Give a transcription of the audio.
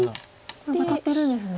これワタってるんですね。